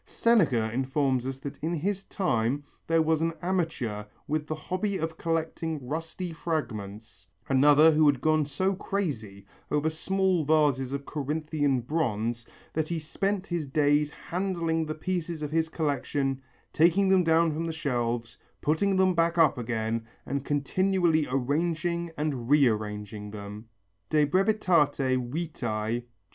Seneca informs us that in his time there was an amateur with the hobby of collecting rusty fragments, another who had gone so crazy over small vases of Corinthian bronze that he spent his days handling the pieces of his collection, taking them down from the shelves, putting them back again and continually arranging and rearranging them (De Brev. Vit.